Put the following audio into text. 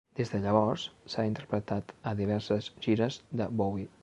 Des de llavors, s'ha interpretat a diverses gires de Bowie.